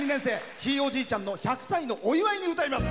ひいおじいちゃんの１００歳のお祝いに歌います。